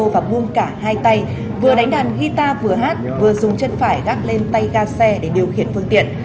và buông cả hai tay vừa đánh đàn guitar vừa hát vừa dùng chân phải gác lên tay ga xe để điều khiển phương tiện